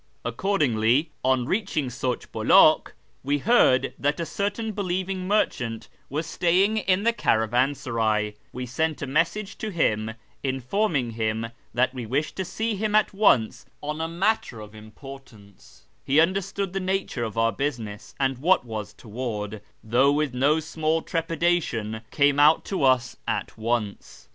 Accordingly, when, on reaching Soi'ich P)ulak, we heard that a certain believing merchant was staying in the caravansaray, we sent a message to him, informing him that we wished to see him at once on a matter of importance, He understood the nature of our business and what was toward, and, though with no small trepidation, came out to us at once.